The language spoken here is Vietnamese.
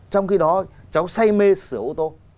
trong khi đó cháu say mê sửa ô tô